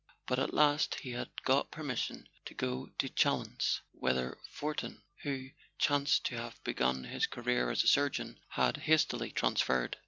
But at last he had got permission to go to Chalons, whither Fortin, who chanced to have begun his career as a surgeon, had been hastily transferred.